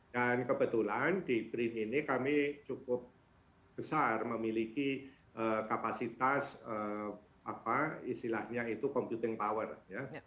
dan kebetulan di brin ini kami cukup besar memiliki kapasitas apa istilahnya itu computing power ya